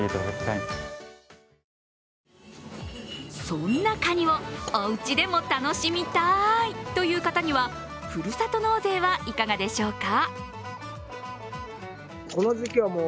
そんなかにをおうちでも楽しみたいという方にはふるさと納税はいかがでしょうか。